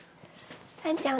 さんちゃん